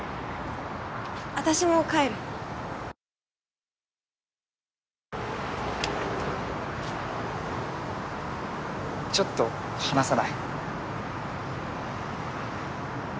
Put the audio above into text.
私も帰るちょっと話さない？